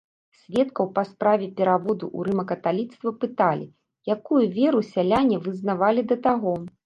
Сведкаў па справе пераводу ў рыма-каталіцтва пыталі, якую веру сяляне вызнавалі да таго.